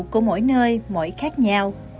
của mỗi nơi mỗi khác nhau